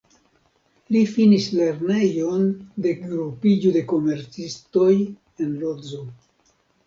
Li finis Lernejon de Grupiĝo de Komercistoj en Lodzo.